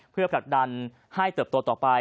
เพื่อผลักดันให้เติบโตต่อไป